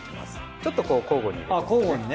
ちょっとこう交互に入れますね。